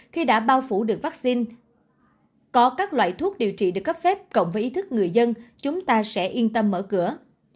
khi đã bao phủ được vaccine có các loại thuốc điều trị được cấp phép cộng với ý thức người dân chúng ta sẽ yên tâm mở cửa